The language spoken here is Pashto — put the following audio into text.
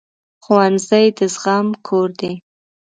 ښوونځی د زغم کور دی